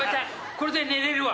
これで寝れるわ。